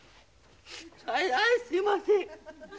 はいすいません。